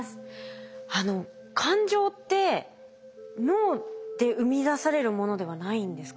あの感情って脳で生み出されるものではないんですか？